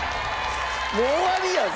もう終わりやん！